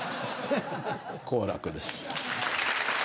好楽です。